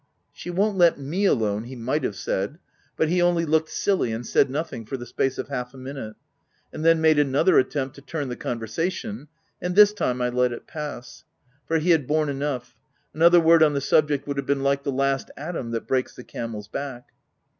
She won't let me alone — he might have said ; but he only looked silly and said nothing for the space of half a minute, and then, made another attempt to turn the conversation ; and, this time, I let it pass ; for he had borne enough : another word on the subject would OF WILDFELL HALL. 107 have been like the last atom that breaks the camel's back.